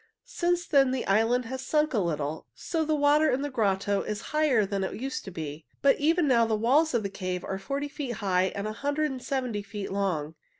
Since then the island has sunk a little, so the water in the grotto is higher than it used to be. But even now the walls of the cave are forty feet high and a hundred and seventy feet long.